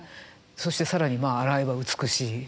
そして更に洗えば美しい。